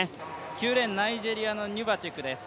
９レーン、ナイジェリアのニュバチュクです。